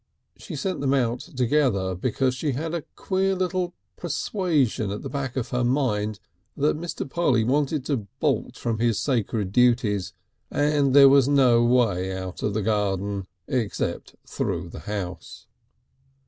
She sent them out together because she had a queer little persuasion at the back of her mind that Mr. Polly wanted to bolt from his sacred duties, and there was no way out of the garden except through the house.